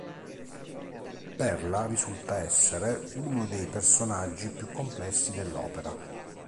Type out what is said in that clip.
Perla risulta essere uno dei personaggi più complessi dell'opera.